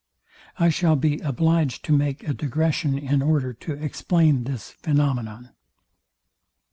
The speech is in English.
I shall be obliged to make a digression in order to explain this phænomenon.